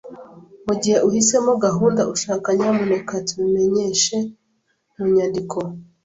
Mugihe uhisemo gahunda ushaka, nyamuneka tubimenyeshe mu nyandiko.